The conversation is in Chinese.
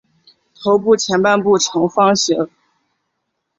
头部前半部呈方形。